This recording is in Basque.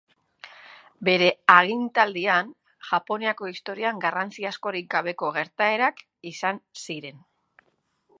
Bere agintaldian, Japoniako historian garrantzi askorik gabeko gertaerak izan ziren.